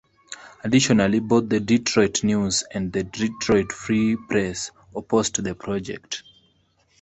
Additionally, both "The Detroit News" and "Detroit Free Press" opposed the project.